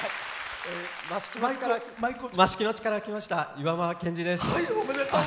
益城町から来ましたいわまです。